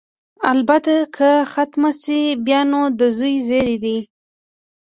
البته که ختمه شي، بیا نو د زوی زېری دی.